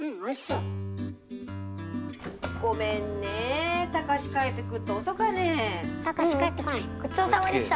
ううんごちそうさまでした！